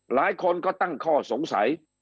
หลายคนก็ตั้งข้อสงสัย